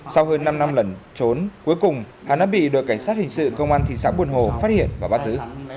sau hơn năm năm lần trốn cuối cùng hắn đã bị đội cảnh sát hình sự công an thị xã buồn hồ phát hiện và bắt giữ